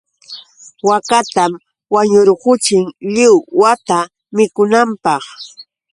Waakatam wañurquchin lliw wata mikunanpaq.